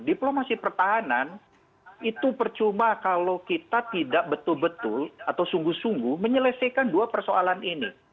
diplomasi pertahanan itu percuma kalau kita tidak betul betul atau sungguh sungguh menyelesaikan dua persoalan ini